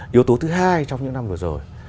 yếu tố thứ hai trong những năm vừa rồi